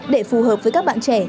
để phù hợp với các bạn trẻ